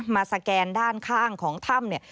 สแกนด้านข้างของถ้ำเนี่ย